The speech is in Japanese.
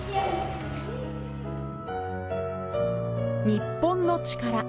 『日本のチカラ』